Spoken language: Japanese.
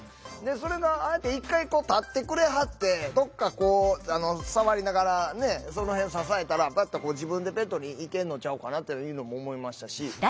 それがああやって一回立ってくれはってどっかこう触りながらねその辺支えたら自分でベッドに行けんのちゃうかなというのも思いましたし。